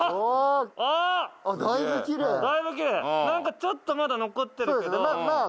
なんかちょっとまだ残ってるけどま